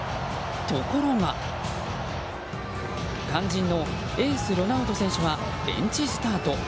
ところが肝心のエース、ロナウド選手はベンチスタート。